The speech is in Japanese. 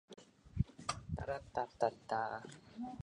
「吾輩はここの教師の家にいるのだ」「どうせそんな事だろうと思った